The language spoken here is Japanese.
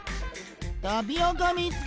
タピオカみつけた！